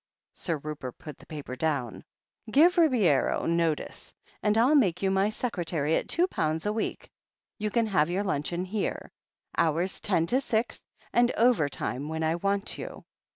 Sir Rupert put the paper down. "Give Ribeiro notice, and I'll make you my secre tary at two pounds a week. You can have your luncheon here. Hours ten to six, and overtime when I want you.